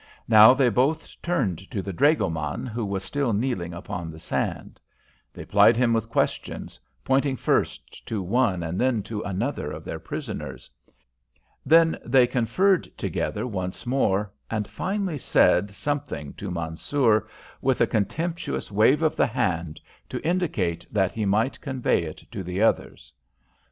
Now they both turned to the dragoman, who was still kneeling upon the sand. They plied him with questions, pointing first to one and then to another of their prisoners. Then they conferred together once more, and finally said something to Mansoor, with a contemptuous wave of the hand to indicate that he might convey it to the others.